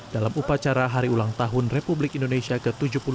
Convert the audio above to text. dalam upacara hari ulang tahun republik indonesia ke tujuh puluh dua